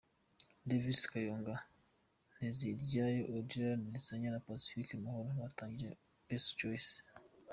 Davis Kayonga Nteziryayo, Odilon Senyana na Pacifique Mahoro, batangije PesaChoice.